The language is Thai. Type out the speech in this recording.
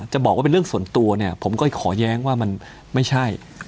จะบอกว่าเป็นเรื่องส่วนตัวเนี่ยผมก็ขอแย้งว่ามันไม่ใช่